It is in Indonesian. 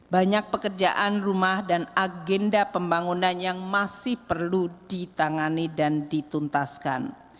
banyak pekerjaan rumah dan agenda pembangunan yang masih perlu ditangani dan dituntaskan